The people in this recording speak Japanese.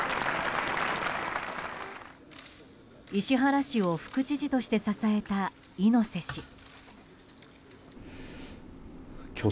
石原氏を副知事として支えた猪瀬氏。